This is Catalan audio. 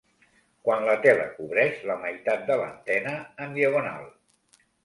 Quan la tela cobreix la meitat de l’antena en diagonal.